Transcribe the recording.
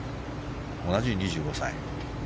同じ２５歳。